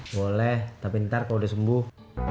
boleh tapi ntar kalau udah sembuh